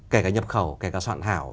kể cả nhập khẩu kể cả soạn thảo